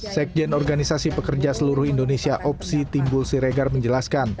sekjen organisasi pekerja seluruh indonesia opsi timbul siregar menjelaskan